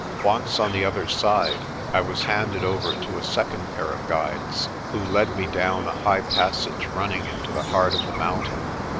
Once on the other side, I was handed over to a second pair of guides, who led me down a high pasage running into the heart of the mountain.